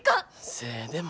せえでも。